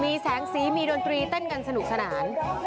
มีแสงสีมีดนตรีเต้นกันสนุกสนาน